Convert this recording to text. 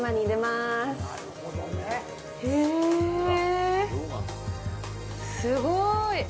すごーい！